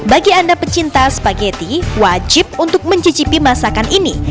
bagi anda pecinta spaghetti wajib untuk mencicipi masakan ini